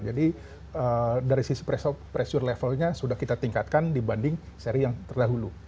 jadi dari sisi pressure level nya sudah kita tingkatkan dibanding seri yang terdahulu